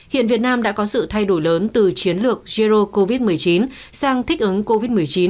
hiện việt nam đã có sự thay đổi lớn từ chiến lược zero covid một mươi chín sang thích ứng covid một mươi chín